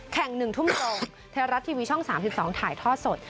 แข่ง๑ทุ่มไทยรัฐทีวีช่อง๓๒ถ่ายท่อสด